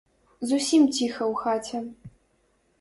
Зусім ціха ў хаце.